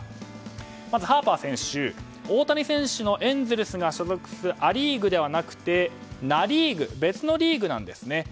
ハーパー選手大谷選手のエンゼルスが所属するア・リーグではなくてナ・リーグ別のリーグなんですね。